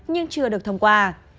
nhưng chưa được thông qua